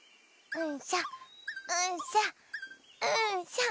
うんしょ！